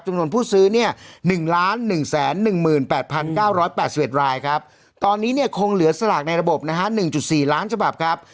จำนวนผู้ซื้อเนี่ย๑๑๑๘๙๘๑รายครับตอนนี้เนี่ยคงเหลือสลากในระบบนะฮะ๑๔ล้านฉบับครับ